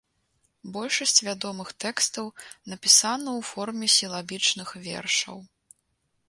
Большасць вядомых тэкстаў напісана ў форме сілабічных вершаў.